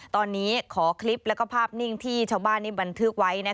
ตอนนี้ขอคลิปและภาพนิ่งที่ชาวบ้านนี้บันทึกไว้